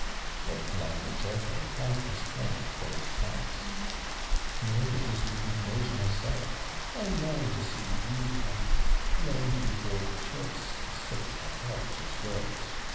Lord Colambre joyfully thanked his friend for this promise. 'Nay, it is to indulge myself. I long to see you happy long to behold the choice of such a heart as yours.